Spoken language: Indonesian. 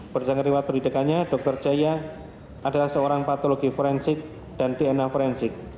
berdasarkan riwat pendidikannya dr jaya adalah seorang patologi forensik dan dna forensik